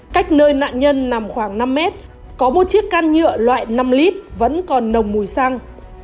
cách nơi nạn nhân nằm khoảng năm mét có một chiếc can nhựa loại năm lít vẫn còn nồng mùi xăng